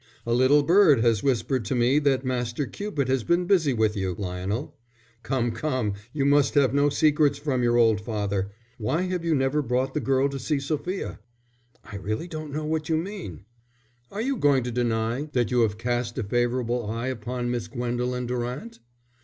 "A little bird has whispered to me that Master Cupid has been busy with you, Lionel. Come, come, you must have no secrets from your old father. Why have you never brought the girl to see Sophia?" "I really don't know what you mean." "Are you going to deny that you have cast a favourable eye upon Miss Gwendolen Durant?"